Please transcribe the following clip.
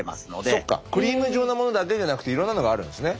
そっかクリーム状のものだけじゃなくていろんなものがあるんですね。